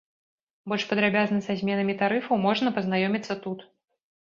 Больш падрабязна са зменамі тарыфаў можна пазнаёміцца тут.